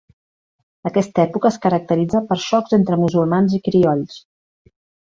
Aquesta època es caracteritza per xocs entre musulmans i criolls.